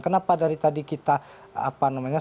kenapa dari tadi kita